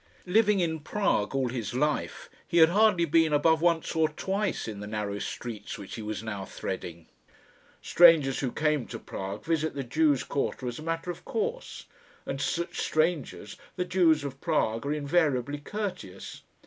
Living in Prague all his life, he had hardly been above once or twice in the narrow streets which he was now threading. Strangers who come to Prague visit the Jews' quarter as a matter of course, and to such strangers the Jews of Prague are invariably courteous.